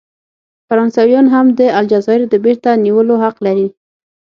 فرانسویان هم د الجزایر د بیرته نیولو حق لري.